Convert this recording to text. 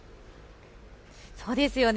そうですよね。